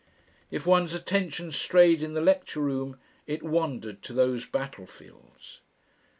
If one's attention strayed in the lecture room it wandered to those battle fields.